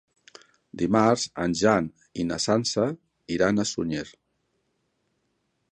Dimarts en Jan i na Sança iran a Sunyer.